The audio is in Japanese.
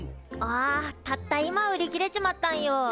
あたった今売り切れちまったんよ。